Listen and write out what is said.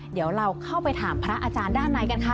เดี๋ยวเราเข้าไปถามพระอาจารย์ด้านในกันค่ะ